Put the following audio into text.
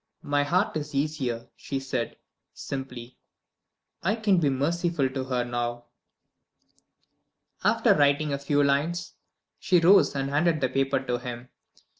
"My heart is easier," she said, simply. "I can be merciful to her now." After writing a few lines, she rose and handed the paper to him.